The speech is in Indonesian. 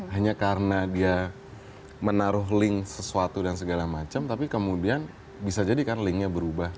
hanya karena dia menaruh link sesuatu dan segala macam tapi kemudian bisa jadi kan linknya berubah